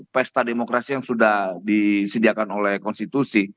pesta demokrasi yang sudah disediakan oleh konstitusi